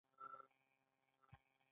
آیا د یو توکي ارزښت په خپل سر زیاتېږي